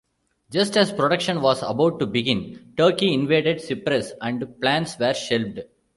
Just as production was about to begin, Turkey invaded Cyprus and plans were shelved.